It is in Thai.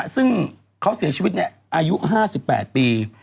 ซึ่งเขาเสียชีวิตอายุ๕๘ปี